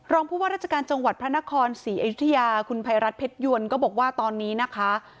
รองผู้ว่าราชการจังหวัดพระนครศรีอยุธยาคุณภัยรัฐเพชรยวนก็บอกว่าตอนนี้นะคะ